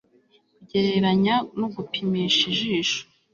kugereranya nugupimisha ijisho